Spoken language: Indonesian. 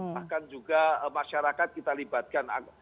bahkan juga masyarakat kita libatkan